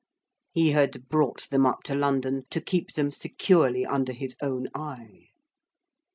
He brought them up to London to keep them securely under his own eye.